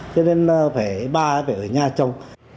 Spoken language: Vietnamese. cho nên ba nó phải ở nhà trông